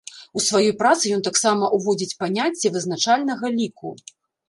У сваёй працы ён таксама ўводзіць паняцце вызначальнага ліку.